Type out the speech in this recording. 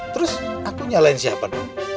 terus aku nyalain siapa dong